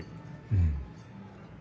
うん。